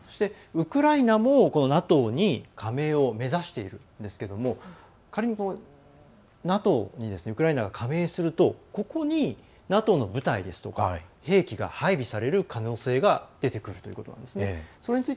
ウクライナもＮＡＴＯに加盟を目指しているんですけれども仮にＮＡＴＯにウクライナが加盟するとここに、ＮＡＴＯの部隊ですとか兵器が配備される可能性が出てくるということなんですね。